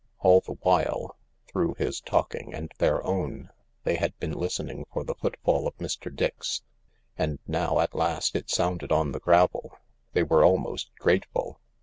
All the while, through his talking and their own, they had been listening for the footfall of Mr. Dix. And now at last it sounded on the gravel. They were almost grateful.